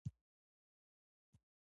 خور د خویندو منځ کې یووالی ساتي.